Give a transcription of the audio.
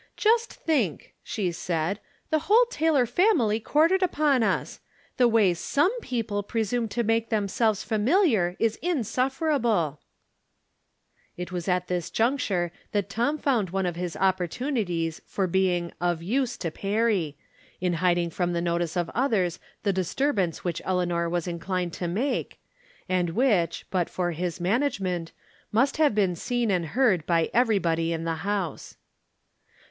" Just think," she said, " the whole Taylor family quartered upon us ! The way some peo ple presume to make themselves familiar is insuf ferable !" It was at this juncture that Tom found one of his opportunities of being " of use " to Perry, in hiding from the notice of others the disturbance which Eleanor was inclined to make, and which, but for his management, must have been seen and heard by everybody in the house.